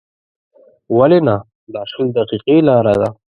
ولې نه، دا شل دقیقې لاره ده.